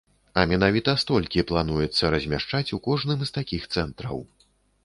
А менавіта столькі плануецца размяшчаць у кожным з такіх цэнтраў.